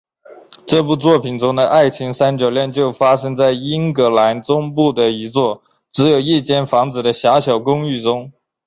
这部作品中的爱情三角恋就发生在英格兰中部的一座只有一间房子的狭小公寓中。